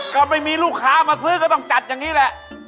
ก็ไม่มีลูกค้ามาซื้อก็ต้องจัดอย่างนี้แหละ